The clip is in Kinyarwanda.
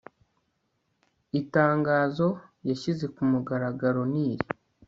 itangazo yashyize kumugaragaro niri